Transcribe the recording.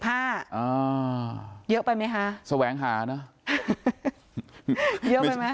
อ่าเยอะไปมั้ยฮะแสวงหาเนอะเยอะไปมั้ย